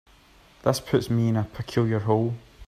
This puts me in a peculiar hole.